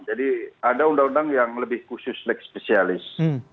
jadi ada undang undang yang lebih khusus leg spesialis